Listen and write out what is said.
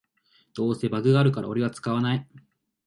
どうせバグあるからオレは使わない